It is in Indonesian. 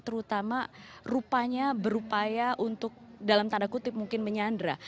terutama rupanya berupaya untuk dalam tanda kutip mungkin menyandra